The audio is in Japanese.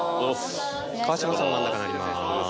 川島さん真ん中になります。